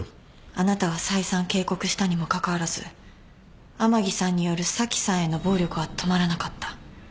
あなたが再三警告したにもかかわらず甘木さんによる紗季さんへの暴力は止まらなかった。